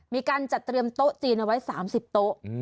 มีการจัดเตรียมโต๊ะจีนเอาไว้๓๐โต๊ะ